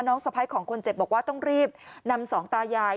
น้องสภัยของคนเจ็บบอกว่าต้องรีบนำ๒ตายาย